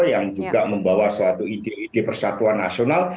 yang juga membawa suatu ide ide persatuan nasional